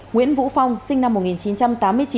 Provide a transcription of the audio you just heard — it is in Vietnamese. nguyễn vũ phong sinh năm một nghìn chín trăm tám mươi chín